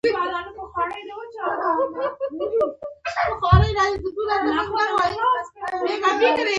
په دې پوهنتون کې د نوو څانګو پرانیستل پیل شوي